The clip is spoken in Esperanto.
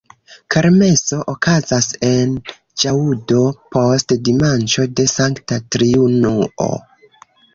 Kermeso okazas en ĵaŭdo post dimanĉo de Sankta Triunuo.